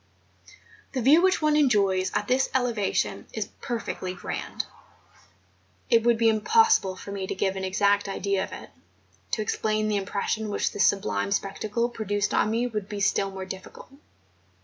The view which one enjoys at this elevation is 268 MOUNTAIN ADVENTURES. perfectly grand; it would be impossible for me to give an exact idea of it; to explain the impression which this sublime spectacle produced on me would be still more difficult.